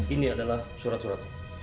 ini adalah surat suratnya